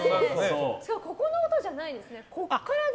ここの音じゃないですね。